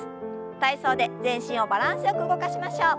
体操で全身をバランスよく動かしましょう。